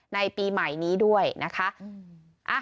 ในปีใหม่นี้ด้วยนะคะ